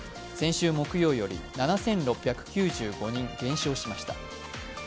先週木曜より７６９５人減少しました。